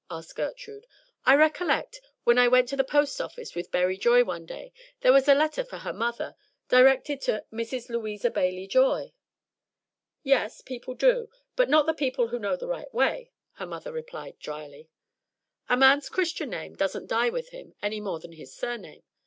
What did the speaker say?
asked Gertrude. "I recollect, when I went to the post office with Berry Joy one day, there was a letter for her mother, directed to Mrs. Louisa Bailey Joy." "Yes; people do, but not the people who know the right way," her mother replied dryly. "A man's Christian name doesn't die with him any more than his surname.